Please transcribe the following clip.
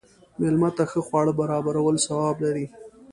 مېلمه ته ښه خواړه برابرول ثواب لري.